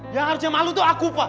yang harusnya malu itu aku pak